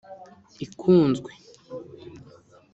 ikunzwe